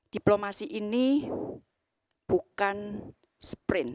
diplomasi ini bukan sprint